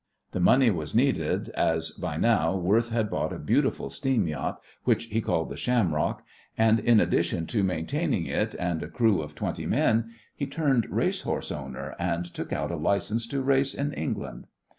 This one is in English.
The money was needed, as by now Worth had bought a beautiful steam yacht, which he called the Shamrock, and in addition to maintaining it and a crew of twenty men, he turned racehorse owner and took out a licence to race in England.